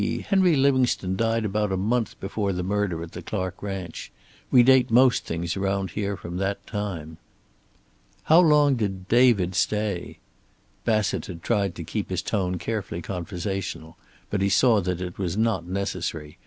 Henry Livingstone died about a month before the murder at the Clark ranch. We date most things around here from that time." "How long did 'David' stay?" Bassett had tried to keep his tone carefully conversational, but he saw that it was not necessary.